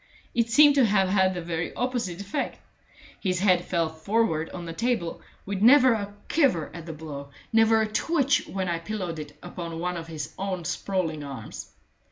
It seemed to have had the very opposite effect. His head fell forward on the table, with never a quiver at the blow, never a twitch when I pillowed it upon one of his own sprawling arms.